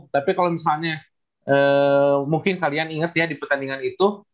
tapi kalau misalnya mungkin kalian inget ya di pertandingan itu